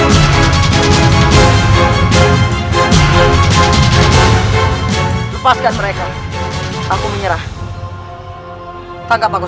lepaskan mereka aku menyerah tanggap aku